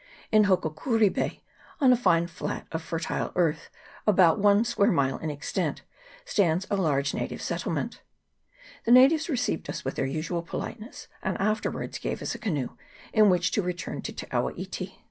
In Hokokuri Bay, on a fine flat of fertile earth about one square mile in extent, stands a large native settlement. The natives re ceived us with their usual politeness, and afterwards CHAP. II.] TORY CHANNEL. 57 gave us a canoe in which to return to Te awa iti.